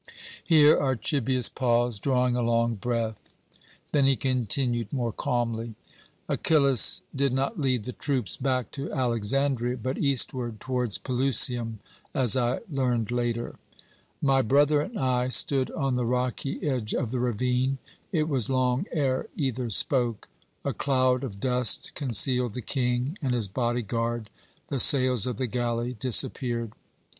Here Archibius paused, drawing a long breath. Then he continued more calmly: "Achillas did not lead the troops back to Alexandria, but eastward, towards Pelusium, as I learned later. "My brother and I stood on the rocky edge of the ravine. It was long ere either spoke. A cloud of dust concealed the King and his body guard, the sails of the galley disappeared.